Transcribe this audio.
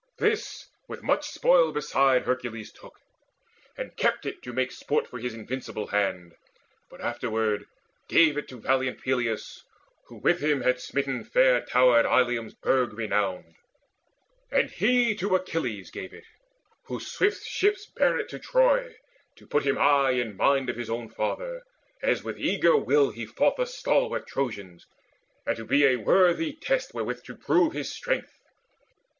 This, with much spoil beside, Hercules took, and kept it to make sport For his invincible hand; but afterward Gave it to valiant Peleus, who with him Had smitten fair towered Ilium's burg renowned; And he to Achilles gave it, whose swift ships Bare it to Troy, to put him aye in mind Of his own father, as with eager will He fought with stalwart Trojans, and to be A worthy test wherewith to prove his strength.